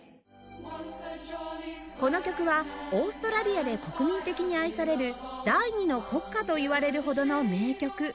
この曲はオーストラリアで国民的に愛される「第二の国歌」といわれるほどの名曲